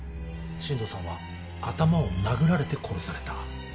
進藤さんは頭を殴られて殺された。